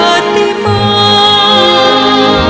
ไม่เร่รวนภาวะผวังคิดกังคัน